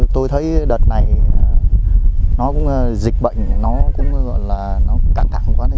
tôi thấy đợt này nó cũng dịch bệnh nó cũng gọi là nó cạn thẳng quá